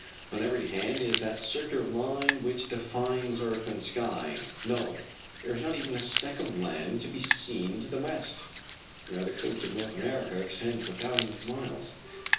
On every hand is that circular line which defines earth and sky. No, there is not even a speck of land to be seen to the west, where the coast of North America extends for thousands of miles.